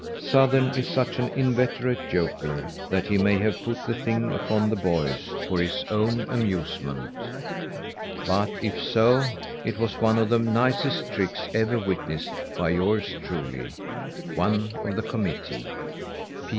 Sothern is such an inveterate joker that he may have put the thing upon the boys for his own amusement; but if so, it was one of the nicest tricks ever witnessed by yours truly, ONE OF THE COMMITTEE.